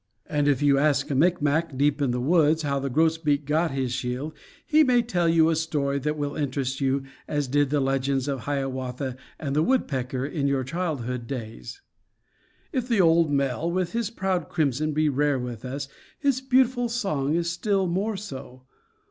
And if you ask a Micmac, deep in the woods, how the grosbeak got his shield, he may tell you a story that will interest you as did the legend of Hiawatha and the woodpecker in your childhood days. If the old male, with his proud crimson, be rare with us, his beautiful song is still more so.